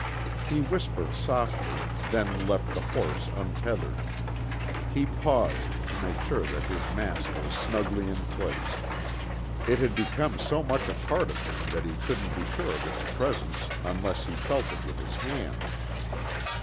He whispered softly, then left the horse untethered. He paused to make sure that his mask was snugly in place. It had become so much a part of him that he couldn't be sure of its presence unless he felt it with his hand.